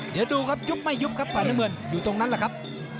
เดี๋ยวดูครับยุบไม่ยุบครับฝ่ายน้ำเงินอยู่ตรงนั้นแหละครับ